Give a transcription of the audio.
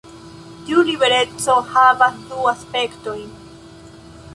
Tiu libereco havas du aspektojn.